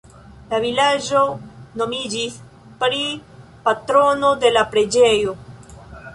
La vilaĝo nomiĝis pri patrono de la preĝejo.